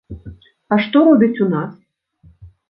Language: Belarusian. А што робяць у нас?